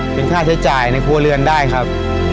เป็นค่าใช้จ่ายในครัวเรือนได้ครับ